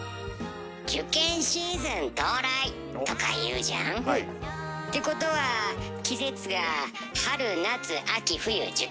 「受験シーズン到来！」とか言うじゃん？ってことは季節が春夏秋冬受験！